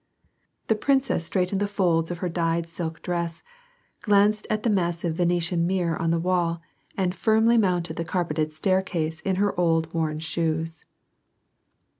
The princess straightened the folds of her dyed silk dress, glanced at the massive Venetian mirror on the wall, and firmly mounted the carpeted staircase in her old worn shoes.